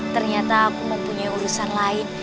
ternyata aku mempunyai urusan lain